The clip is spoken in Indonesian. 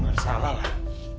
gak ada salah lah